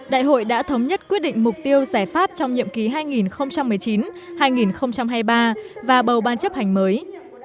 đại hội đã thống nhất quyết định mục tiêu giải pháp trong nhiệm ký hai nghìn một mươi chín hai nghìn hai mươi ba và bầu ban chấp hành mới